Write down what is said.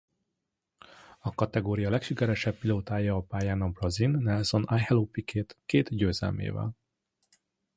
A kategória legsikeresebb pilótája a pályán a brazil Nelson Angelo Piquet két győzelmével.